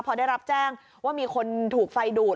พอได้รับแจ้งว่ามีคนถูกไฟดูด